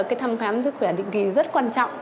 thì tôi thấy là thăm khám sức khỏe định kỳ rất quan trọng